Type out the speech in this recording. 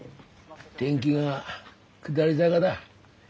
天気が下り坂だ。